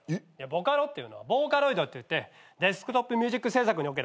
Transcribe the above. ボカロっていうのはボーカロイドっていってデスクトップミュージック制作における音声合成技術。